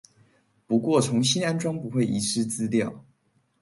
不過重新安裝不會遺失資料